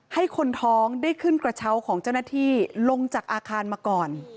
ให้คนท้องได้ขึ้นกระเช้าของเจ้าหน้าที่ลงจากอาคารมาก่อน